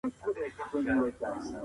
زه بايد تياری وکړم.